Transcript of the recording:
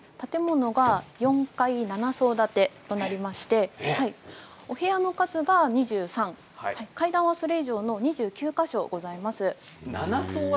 建物が４階７層建てとなりまして、お部屋の数が２３階段はそれ以上２９か所ございます。